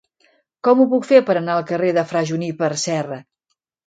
Com ho puc fer per anar al carrer de Fra Juníper Serra?